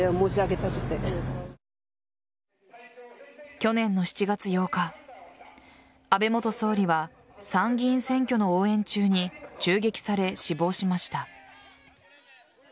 去年の７月８日安倍元総理は参議院選挙の応援中に銃撃され死亡しました。